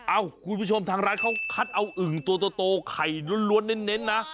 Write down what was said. คุณผู้ชมทางร้านเขาคัดเอาอึ่งตัวโตไข่ล้วนเน้นนะ